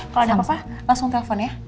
kalo ada apa apa langsung telepon ya